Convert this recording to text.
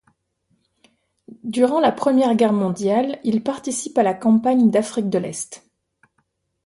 Durant la Première Guerre mondiale, il participe à la campagne d'Afrique de l'Est.